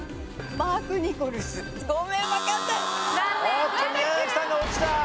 おっと宮崎さんが落ちた！